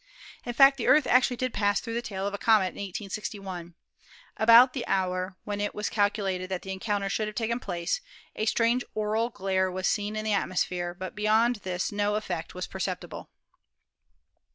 In fact, the Earth actually did pass through the tail of the comet of 1861. At about the hour when it was cal culated that the encounter should have taken place a strange auroral glare was seen in the atmosphere, but beyond this no effect was perceptible."